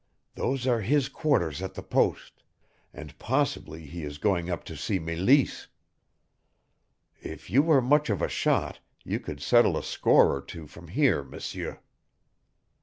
Those are his quarters at the post, and possibly he is going up to see Meleese. If you were much of a shot you could settle a score or two from here, M'seur."